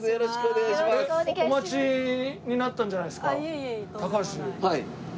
お待ちになったんじゃないですか？